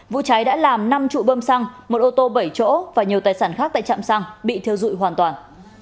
vụ cháy đã làm năm trụ bơm xăng một ô tô bảy chỗ và nhiều tài sản khác tại trạm xăng bị thiêu dụi hoàn toàn